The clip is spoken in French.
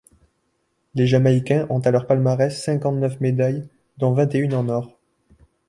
Les Jamaïcains ont à leur palmarès cinquante-neuf médailles, dont vingt-et-une en or.